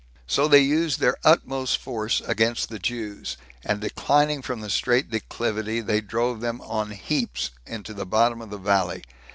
So they used their utmost force against the Jews, and declining from the straight declivity, they drove them on heaps into the bottom of the valley.